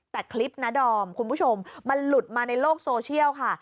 แต่คลิปนะดอมคุณผู้ชมมันหลุดมาในโลกโซเชียลค่ะ